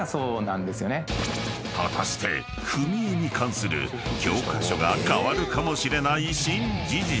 ［果たして踏絵に関する教科書が変わるかもしれない新事実］